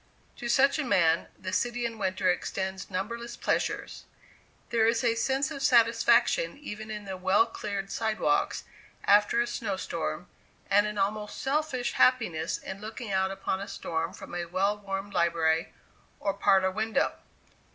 To such a man, the city in winter extends numberless pleasures. There is a sense of satisfaction even in the well cleared sidewalks after a snow storm, and an almost selfish happiness in looking out upon a storm from a well warmed library or parlor window.